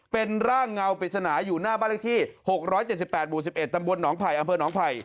เป็นร่างเงาปริศนาอยู่หน้าบ้านเลขที่๖๗๘หมู่๑๑ตำบลหนองไผ่อำเภอหนองไผ่